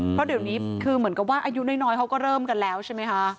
เพราะเดี๋ยวนี้คือเหมือนกับว่าอายุน้อยเขาก็เริ่มกันแล้วใช่ไหมคะ